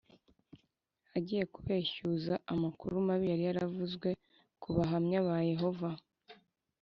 agiye kubeshyuza amakuru mabi yari yaravuzwe ku Bahamya ba Yehova